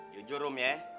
jujur rum ya